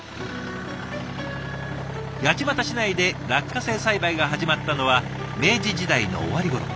八街市内で落花生栽培が始まったのは明治時代の終わり頃。